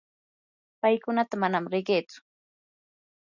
paykunata manam riqitsu.